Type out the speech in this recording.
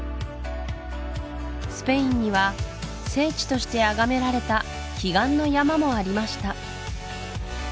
スペインには聖地としてあがめられた奇岩の山もありました